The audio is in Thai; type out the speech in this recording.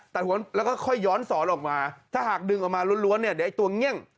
แล้วก็ค่อยย้อนสอนออกมาถ้าหากดึงออกมาล้วนเนี่ยเดี๋ยวไอ้ตัวเงี่ยง